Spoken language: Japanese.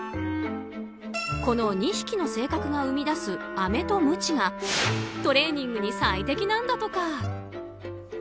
この２匹の性格が生み出すアメとムチがトレーニングに最適なんだとか。